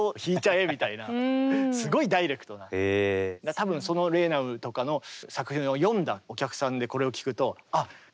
多分そのレーナウとかの作品を読んだお客さんでこれを聴くと「あっ」みたいな。